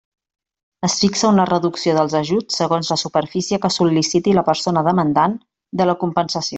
Es fixa una reducció dels ajuts segons la superfície que sol·liciti la persona demandant de la compensació.